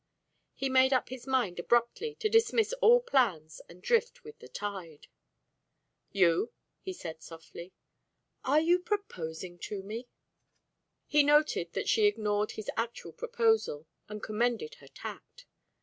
He made up his mind abruptly to dismiss all plans and drift with the tide. "You," he said, softly. "Are you proposing to me?" He noted that she ignored his actual proposal, and commended her tact.